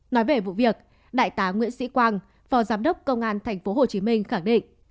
nói về vụ việc đại tá nguyễn sĩ quang phó giám đốc công an tp hcm khẳng định